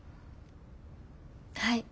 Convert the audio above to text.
はい。